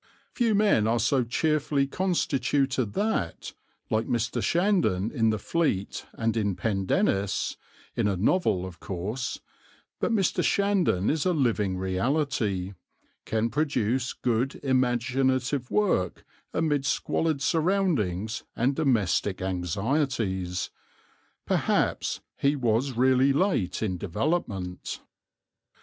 Few men are so cheerfully constituted that, like Mr. Shandon in the Fleet and in Pendennis in a novel, of course, but Mr. Shandon is a living reality can produce good imaginative work amid squalid surroundings and domestic anxieties perhaps he was really late in development.